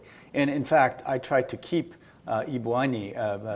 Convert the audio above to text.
dan sebenarnya saya mencoba untuk menjaga